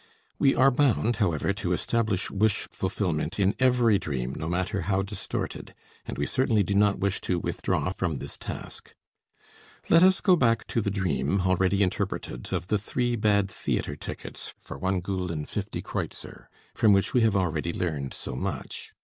We are bound, however, to establish wish fulfillment in every dream no matter how distorted, and we certainly do not wish to withdraw from this task. Let us go back to the dream, already interpreted, of the three bad theatre tickets for 1 Fl. 50 Kr. from which we have already learned so much.